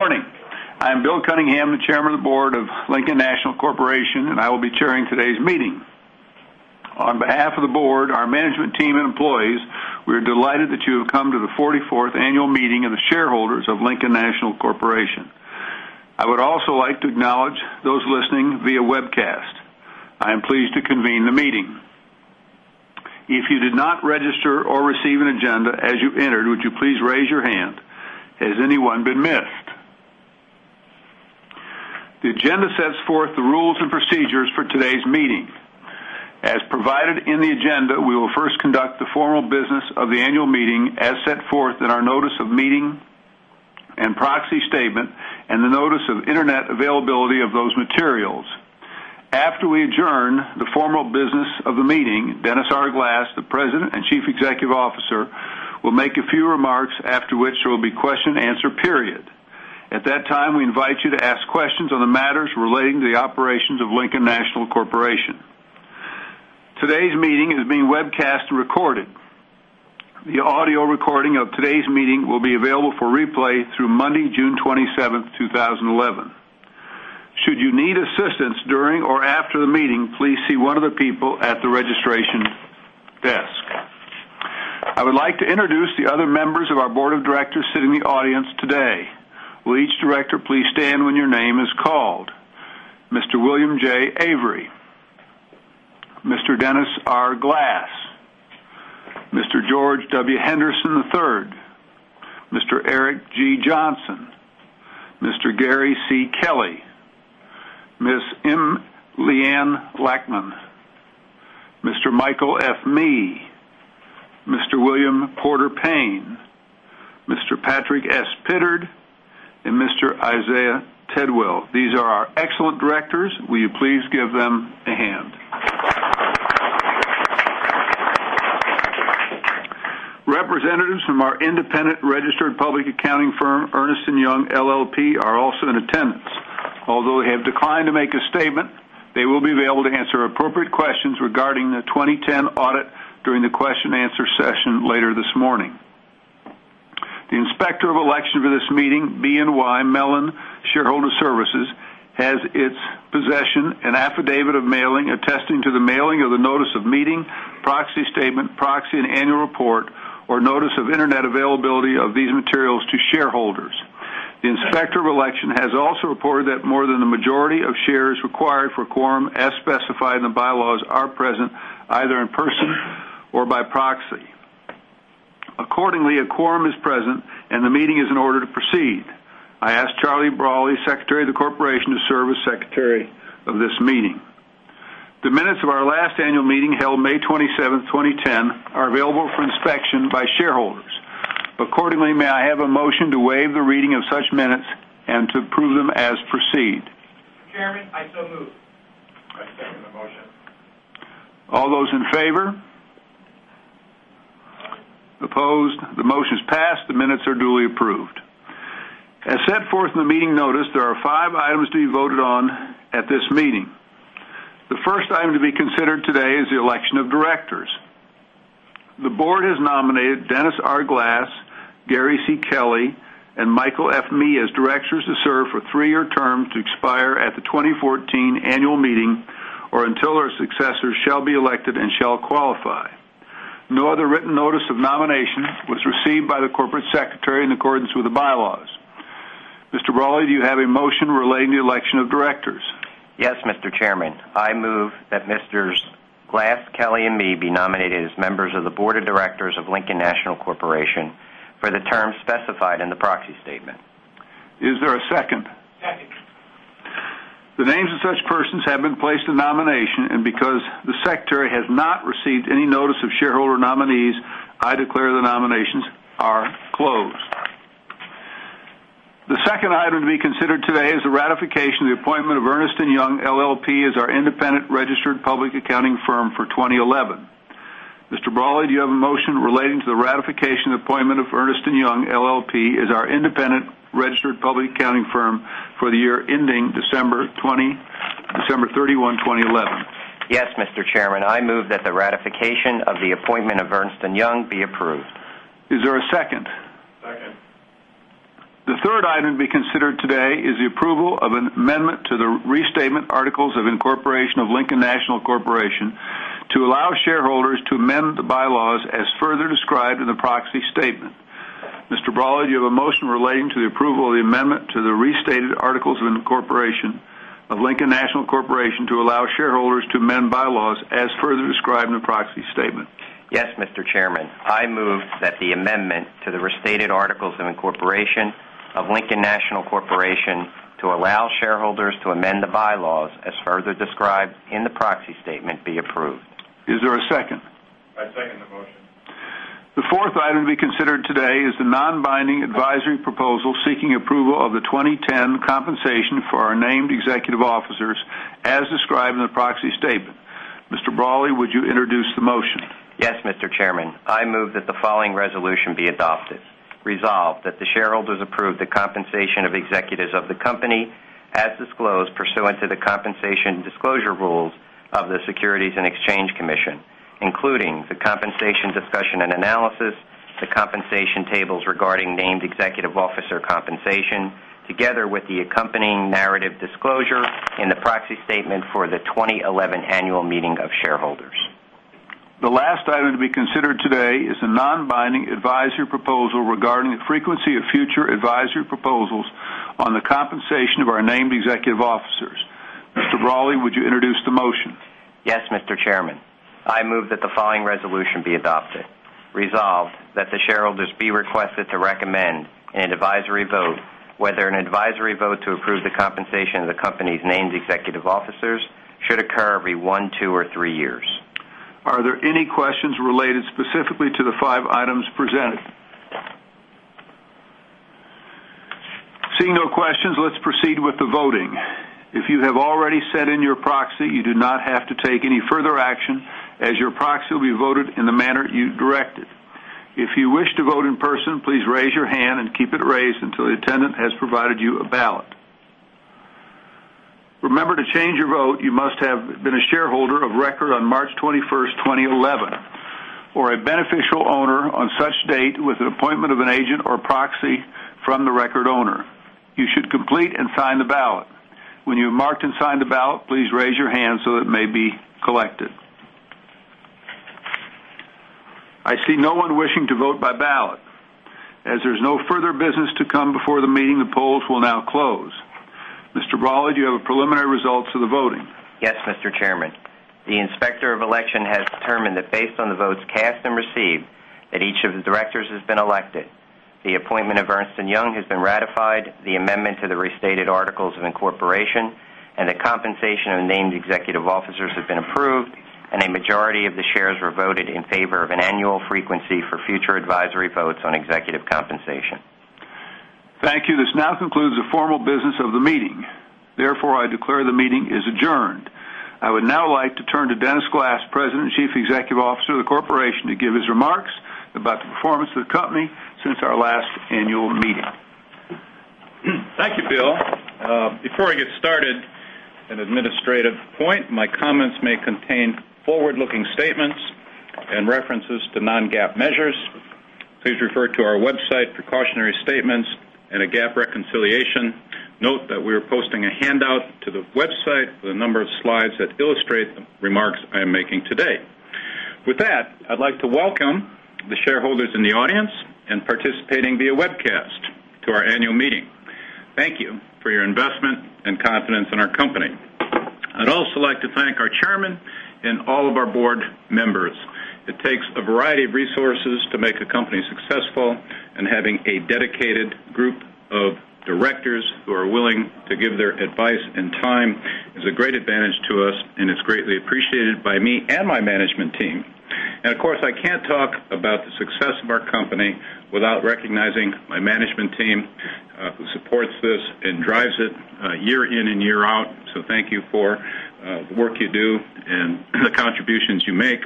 Morning. I'm Bill Cunningham, the Chairman of the Board of Lincoln National Corporation, and I will be chairing today's meeting. On behalf of the board, our management team, and employees, we are delighted that you have come to the 44th annual meeting of the shareholders of Lincoln National Corporation. I would also like to acknowledge those listening via webcast. I am pleased to convene the meeting. If you did not register or receive an agenda as you entered, would you please raise your hand? Has anyone been missed? The agenda sets forth the rules and procedures for today's meeting. As provided in the agenda, we will first conduct the formal business of the annual meeting as set forth in our notice of meeting and proxy statement and the notice of internet availability of those materials. After we adjourn the formal business of the meeting, Dennis R. Glass, the President and Chief Executive Officer, will make a few remarks, after which there will be question and answer period. At that time, we invite you to ask questions on the matters relating to the operations of Lincoln National Corporation. Today's meeting is being webcast and recorded. The audio recording of today's meeting will be available for replay through Monday, June 27, 2011. Should you need assistance during or after the meeting, please see one of the people at the registration desk. I would like to introduce the other members of our board of directors sitting in the audience today. Will each director please stand when your name is called? Mr. William J. Avery. Mr. Dennis R. Glass. Mr. George W. Henderson III. Mr. Eric G. Johnson. Mr. Gary C. Kelly. Ms. M. Leanne Lachman. Mr. Michael F. Mee. Mr. William Porter Payne. Mr. Patrick S. Pittard, and Mr. Isaiah Tidwell. These are our excellent directors. Will you please give them a hand? Representatives from our independent registered public accounting firm, Ernst & Young LLP, are also in attendance. Although they have declined to make a statement, they will be available to answer appropriate questions regarding the 2010 audit during the question and answer session later this morning. The Inspector of Election for this meeting, BNY Mellon Shareholder Services, has in its possession an affidavit of mailing, attesting to the mailing of the notice of meeting, proxy statement, proxy and annual report, or notice of internet availability of these materials to shareholders. The Inspector of Election has also reported that more than the majority of shares required for quorum, as specified in the bylaws, are present either in person or by proxy. Accordingly, a quorum is present, and the meeting is in order to proceed. I ask Charlie Braly, Secretary of the Corporation, to serve as Secretary of this meeting. The minutes of our last annual meeting, held May 27, 2010, are available for inspection by shareholders. Accordingly, may I have a motion to waive the reading of such minutes and to approve them as proceed? Chairman, I so move. I second the motion. All those in favor? Opposed? The motion's passed. The minutes are duly approved. As set forth in the meeting notice, there are five items to be voted on at this meeting. The first item to be considered today is the election of directors. The board has nominated Dennis R. Glass, Gary C. Kelly, and Michael F. Mee as directors to serve for three-year terms to expire at the 2014 annual meeting or until their successors shall be elected and shall qualify. No other written notice of nomination was received by the corporate secretary in accordance with the bylaws. Mr. Braly, do you have a motion relating to the election of directors? Yes, Mr. Chairman. I move that Messrs. Glass, Kelly, and Mee be nominated as members of the Board of Directors of Lincoln National Corporation for the term specified in the proxy statement. Is there a second? Second. The names of such persons have been placed in nomination. Because the secretary has not received any notice of shareholder nominees, I declare the nominations are closed. The second item to be considered today is the ratification of the appointment of Ernst & Young LLP as our independent registered public accounting firm for 2011. Mr. Braly, do you have a motion relating to the ratification of the appointment of Ernst & Young LLP as our independent registered public accounting firm for the year ending December 31, 2011? Yes, Mr. Chairman. I move that the ratification of the appointment of Ernst & Young be approved. Is there a second? Second. The third item to be considered today is the approval of an amendment to the restatement articles of incorporation of Lincoln National Corporation to allow shareholders to amend the bylaws as further described in the proxy statement. Mr. Braly, do you have a motion relating to the approval of the amendment to the restated articles of incorporation of Lincoln National Corporation to allow shareholders to amend bylaws as further described in the proxy statement? Yes, Mr. Chairman. I move that the amendment to the restated articles of incorporation of Lincoln National Corporation to allow shareholders to amend the bylaws as further described in the proxy statement be approved. Is there a second? I second the motion. The fourth item to be considered today is the non-binding advisory proposal seeking approval of the 2010 compensation for our named executive officers as described in the proxy statement. Mr. Braly, would you introduce the motion? Yes, Mr. Chairman. I move that the following resolution be adopted. Resolved, that the shareholders approve the compensation of executives of the company as disclosed pursuant to the compensation disclosure rules of the Securities and Exchange Commission, including the compensation discussion and analysis, the compensation tables regarding named executive officer compensation, together with the accompanying narrative disclosure in the proxy statement for the 2011 annual meeting of shareholders. The last item to be considered today is the non-binding advisory proposal regarding the frequency of future advisory proposals on the compensation of our named executive officers. Mr. Braly, would you introduce the motion? Yes, Mr. Chairman. I move that the following resolution be adopted. Resolved, that the shareholders be requested to recommend in an advisory vote whether an advisory vote to approve the compensation of the company's named executive officers should occur every one, two, or three years. Are there any questions related specifically to the five items presented? Seeing no questions, let's proceed with the voting. If you have already sent in your proxy, you do not have to take any further action as your proxy will be voted in the manner you directed. If you wish to vote in person, please raise your hand and keep it raised until the attendant has provided you a ballot. Remember, to change your vote, you must have been a shareholder of record on March 21st, 2011, or a beneficial owner on such date with an appointment of an agent or proxy from the record owner. You should complete and sign the ballot. When you have marked and signed the ballot, please raise your hand so that it may be collected. I see no one wishing to vote by ballot. As there's no further business to come before the meeting, the polls will now close. Mr. Braly, do you have the preliminary results of the voting? Yes, Mr. Chairman. The Inspector of Election has determined that based on the votes cast and received, that each of the directors has been elected. The appointment of Ernst & Young has been ratified, the amendment to the restated articles of incorporation, and the compensation of named executive officers have been approved, and a majority of the shares were voted in favor of an annual frequency for future advisory votes on executive compensation. Thank you. This now concludes the formal business of the meeting. Therefore, I declare the meeting is adjourned. I would now like to turn to Dennis Glass, President and Chief Executive Officer of the corporation, to give his remarks about the performance of the company since our last annual meeting. Thank you, Bill. Before I get started, an administrative point. My comments may contain forward-looking statements and references to non-GAAP measures. Please refer to our website, precautionary statements, and a GAAP reconciliation. Note that we are posting a handout to the website with a number of slides that illustrate the remarks I am making today. With that, I'd like to welcome the shareholders in the audience and participating via webcast to our annual meeting. Thank you for your investment and confidence in our company. I'd also like to thank our chairman and all of our board members. It takes a variety of resources to make a company successful, and having a dedicated group of directors who are willing to give their advice and time is a great advantage to us, and it's greatly appreciated by me and my management team. Of course, I can't talk about the success of our company without recognizing my management team who supports this and drives it year in and year out. Thank you for the work you do and the contributions you make.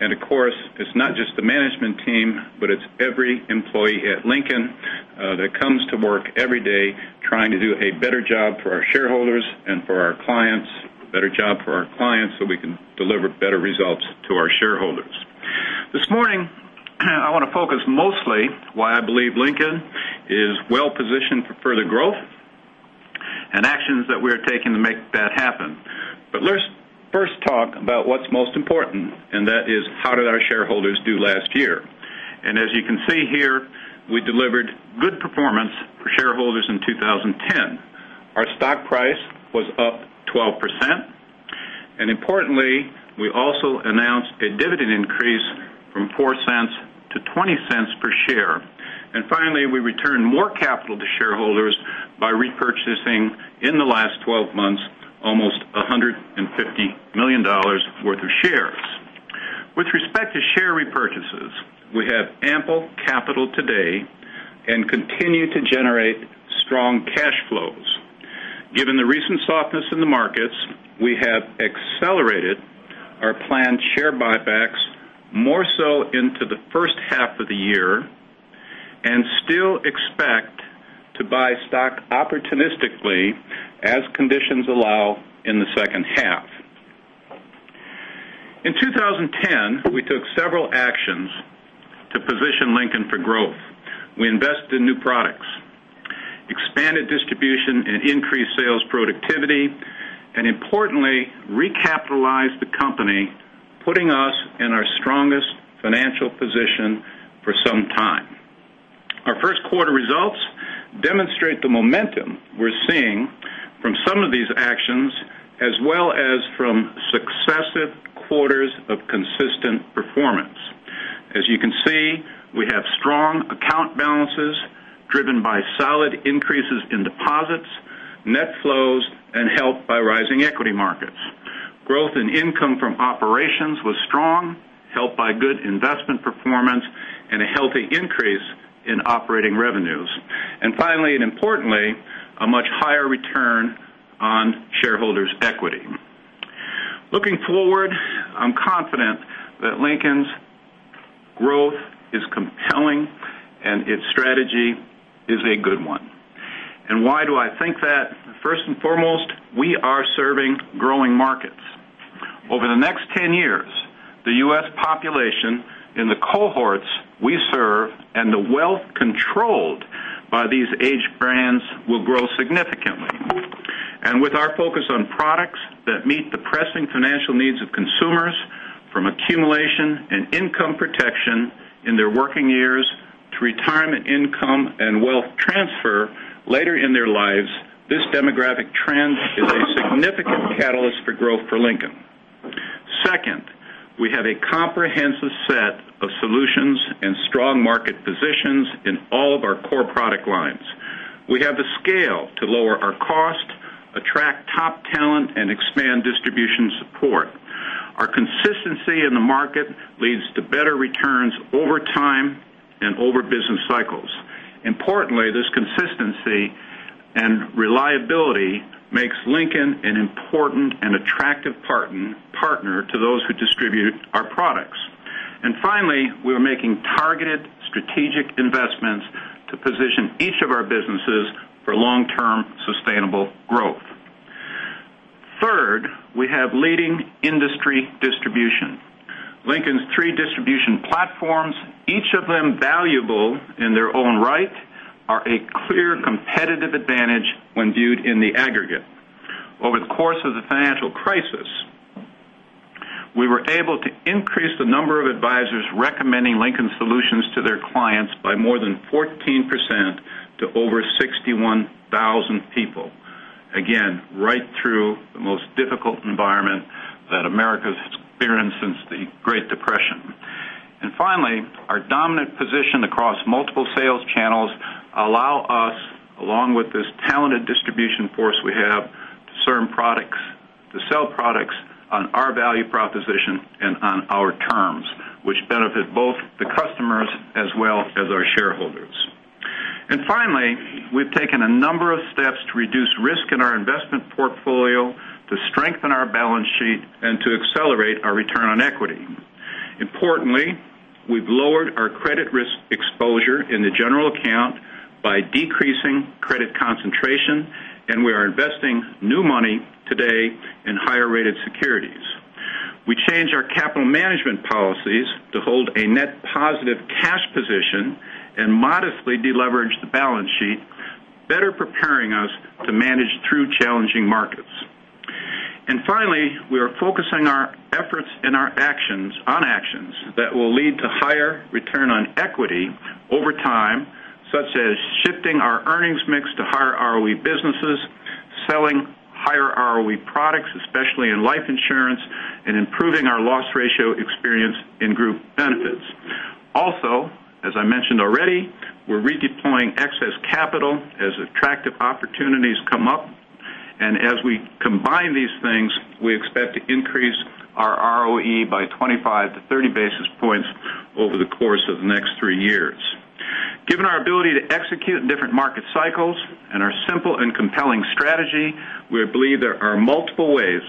Of course, it's not just the management team, but it's every employee at Lincoln that comes to work every day trying to do a better job for our shareholders and for our clients, a better job for our clients so we can deliver better results to our shareholders. This morning, I want to focus mostly why I believe Lincoln is well-positioned for further growth and actions that we're taking to make that happen. Let's first talk about what's most important, and that is how did our shareholders do last year. As you can see here, we delivered good performance for shareholders in 2010. Our stock price was up 12%, and importantly, we also announced a dividend increase from $0.04 to $0.20 per share. Finally, we returned more capital to shareholders by repurchasing, in the last 12 months, almost $150 million worth of shares. With respect to share repurchases, we have ample capital today and continue to generate strong cash flows. Given the recent softness in the markets, we have accelerated our planned share buybacks more so into the first half of the year and still expect to buy stock opportunistically as conditions allow in the second half. In 2010, we took several actions to position Lincoln for growth. We invested in new products, expanded distribution and increased sales productivity, and importantly, recapitalized the company, putting us in our strongest financial position for some time. Our first quarter results demonstrate the momentum we're seeing from some of these actions, as well as from successive quarters of consistent performance. As you can see, we have strong account balances driven by solid increases in deposits, net flows, and helped by rising equity markets. Growth in income from operations was strong, helped by good investment performance and a healthy increase in operating revenues. Finally, and importantly, a much higher return on shareholders' equity. Looking forward, I'm confident that Lincoln's growth Its strategy is a good one. Why do I think that? First and foremost, we are serving growing markets. Over the next 10 years, the U.S. population in the cohorts we serve and the wealth controlled by these age bands will grow significantly. With our focus on products that meet the pressing financial needs of consumers from accumulation and income protection in their working years to retirement income and wealth transfer later in their lives, this demographic trend is a significant catalyst for growth for Lincoln. We have a comprehensive set of solutions and strong market positions in all of our core product lines. We have the scale to lower our cost, attract top talent, and expand distribution support. Our consistency in the market leads to better returns over time and over business cycles. Importantly, this consistency and reliability makes Lincoln an important and attractive partner to those who distribute our products. Finally, we are making targeted strategic investments to position each of our businesses for long-term sustainable growth. We have leading industry distribution. Lincoln's three distribution platforms, each of them valuable in their own right, are a clear competitive advantage when viewed in the aggregate. Over the course of the financial crisis, we were able to increase the number of advisors recommending Lincoln solutions to their clients by more than 14% to over 61,000 people. Again, right through the most difficult environment that America has experienced since the Great Depression. Finally, our dominant position across multiple sales channels allow us, along with this talented distribution force we have, to sell products on our value proposition and on our terms, which benefit both the customers as well as our shareholders. Finally, we've taken a number of steps to reduce risk in our investment portfolio, to strengthen our balance sheet, and to accelerate our return on equity. Importantly, we've lowered our credit risk exposure in the general account by decreasing credit concentration, and we are investing new money today in higher-rated securities. We changed our capital management policies to hold a net positive cash position and modestly deleverage the balance sheet, better preparing us to manage through challenging markets. Finally, we are focusing our efforts on actions that will lead to higher return on equity over time, such as shifting our earnings mix to higher ROE businesses, selling higher ROE products, especially in life insurance, and improving our loss ratio experience in group benefits. Also, as I mentioned already, we're redeploying excess capital as attractive opportunities come up. As we combine these things, we expect to increase our ROE by 25 to 30 basis points over the course of the next three years. Given our ability to execute in different market cycles and our simple and compelling strategy, we believe there are multiple ways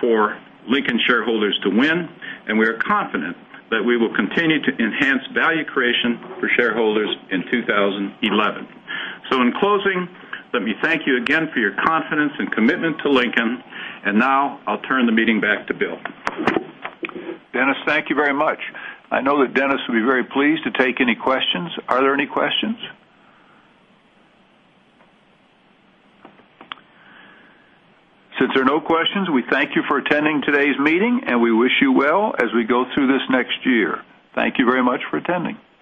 for Lincoln shareholders to win, and we are confident that we will continue to enhance value creation for shareholders in 2011. In closing, let me thank you again for your confidence and commitment to Lincoln. Now I'll turn the meeting back to Bill. Dennis, thank you very much. I know that Dennis will be very pleased to take any questions. Are there any questions? Since there are no questions, we thank you for attending today's meeting, and we wish you well as we go through this next year. Thank you very much for attending.